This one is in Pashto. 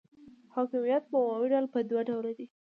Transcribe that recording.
حاکمیت په عمومي ډول په دوه ډوله دی.